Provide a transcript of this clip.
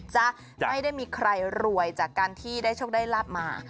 ไม่ได้มีใครรวยจากการที่ได้โชคได้ลาบมา